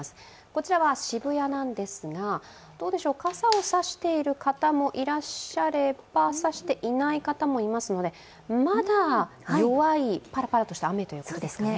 こちらは渋谷なんですが、傘を差している方もいらっしゃれば差していない方もいますので、まだ、弱い、パラパラとした雨ということですかね。